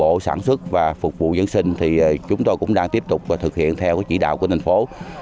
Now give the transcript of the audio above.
bộ sản xuất và phục vụ diễn sinh thì chúng ta cũng đang tiếp tục thực hiện theo chỉ đạo của thành phố